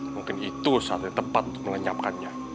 mungkin itu saatnya tepat untuk melenyapkannya